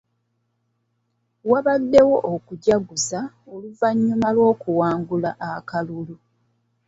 Waabaddewo okujaguza oluvannyuma lw'okuwangula akalulu.